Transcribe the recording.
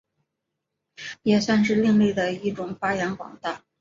也算是另类的一种发扬光大。